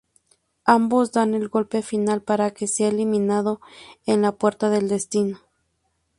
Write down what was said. Ambos dan el golpe final para que sea eliminado en la Puerta del Destino.